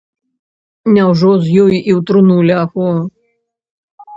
Няўжо з ёю і ў труну лягу?